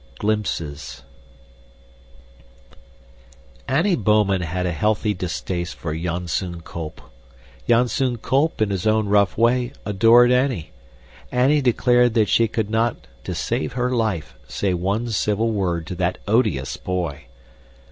Glimpses Annie Bouman had a healthy distaste for Janzoon Kolp. Janzoon Kolp, in his own rough way, adored Annie. Annie declared that she could not "to save her life" say one civil word to that odious boy.